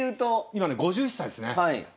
今ね５１歳ですね。